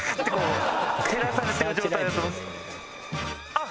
あっ！